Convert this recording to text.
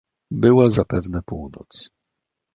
"Była zapewne północ."